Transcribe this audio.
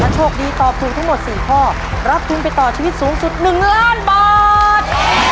โชคดีตอบถูกทั้งหมด๔ข้อรับทุนไปต่อชีวิตสูงสุด๑ล้านบาท